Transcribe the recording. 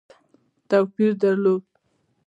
توپیر درلود.